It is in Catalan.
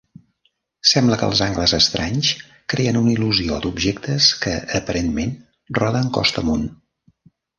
Sembla que els angles estranys creen una il·lusió d'objectes que aparentment roden costa amunt.